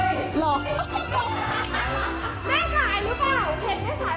นี่ค่ะมาอ่าโมที่ด้วยใคร